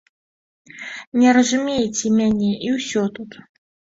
Не разумееце мяне, і ўсё тут.